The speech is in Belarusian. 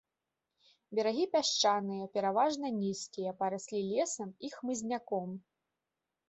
Берагі пясчаныя, пераважна нізкія, параслі лесам і хмызняком.